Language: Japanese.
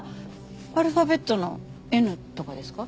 アルファベットのＮとかですか？